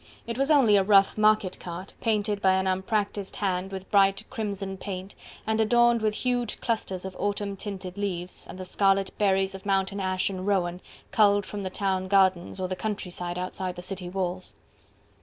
It was only a rough market cart, painted by an unpractised hand with bright, crimson paint and adorned with huge clusters of autumn tinted leaves, and the scarlet berries of mountain ash and rowan, culled from the town gardens, or the country side outside the city walls.